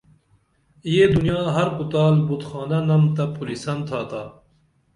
یہ دنیا ہر کُتال بُت خانہ نم تہ پُرِسن تھا تا